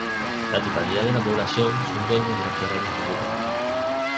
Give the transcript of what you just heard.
La totalidad de la población son dueños de los terrenos que ocupan.